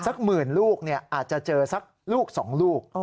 สักหมื่นลูกเนี่ยอาจจะเจอสักลูกสองลูก